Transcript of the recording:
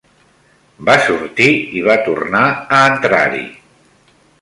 Va sortir i va tornar a entrar-hi;